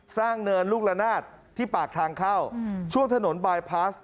เนินลูกละนาดที่ปากทางเข้าช่วงถนนบายพลาส